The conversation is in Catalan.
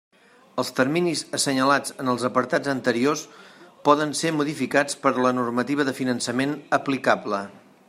Els terminis assenyalats en els apartats anteriors poden ser modificats per la normativa de finançament aplicable.